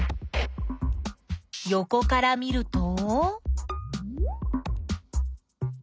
よこから見ると？